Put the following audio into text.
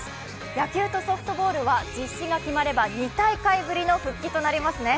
野球とソフトボールは実施が決まれば２大会ぶりの復帰となりますね。